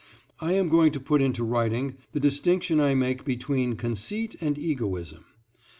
I am going to put into writing the distinction I make between conceit and egoism.